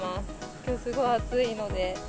きょうすごい暑いので。